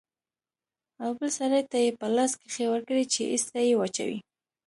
او بل سړي ته يې په لاس کښې ورکړې چې ايسته يې واچوي.